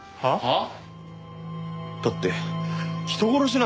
ああ。